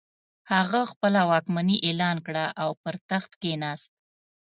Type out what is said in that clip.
هغه خپله واکمني اعلان کړه او پر تخت کښېناست.